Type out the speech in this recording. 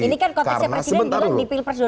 ini kan konsep presiden bilang di pilpres jokowi